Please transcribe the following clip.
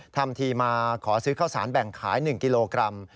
ทำทีมาขอซื้อข้าวสารแบ่งขาย๑กิโลกรัม